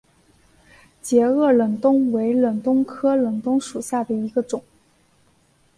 截萼忍冬为忍冬科忍冬属下的一个种。